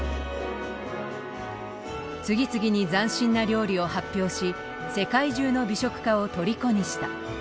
次々に斬新な料理を発表し世界中の美食家をとりこにした。